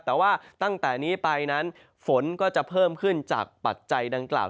แต่ว่าตั้งแต่นี้ไปนั้นฝนก็จะเพิ่มขึ้นจากปัจจัยดังกล่าว